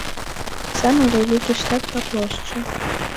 Самы вялікі штат па плошчы.